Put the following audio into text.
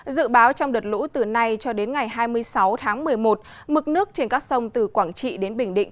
dự báo trong đợt lũ từ nay cho đến ngày hai mươi sáu tháng một mươi một mực nước trên các sông từ quảng trị đến bình định